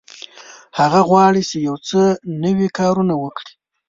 هغه غواړي چې یو څه نوي کارونه وکړي.